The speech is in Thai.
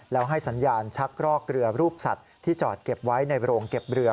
แล้วให้สัญญาณชักรอกเรือรูปสัตว์ที่จอดเก็บไว้ในโรงเก็บเรือ